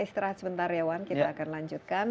istirahat sebentar ya wan kita akan lanjutkan